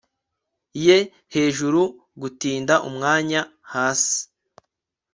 ye hejuru, gutinda umwanya hasi